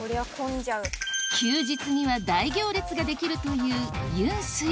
休日には大行列ができるという湧水